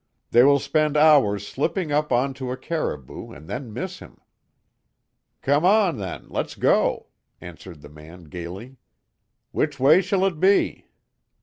They will spend hours slipping up onto a caribou and then miss him." "Come on, then, let's go," answered the man gaily. "Which way shall it be?"